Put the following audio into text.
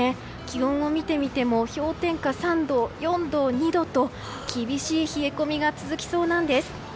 気温を見てみても氷点下３度、４度、２度と厳しい冷え込みが続きそうなんです。